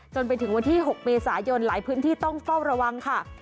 จนถึงวันที่๖เมษายนหลายพื้นที่ต้องเฝ้าระวังค่ะ